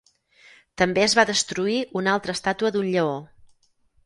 També es va destruir una altra estàtua d'un lleó.